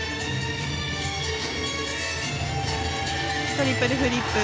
トリプルフリップ。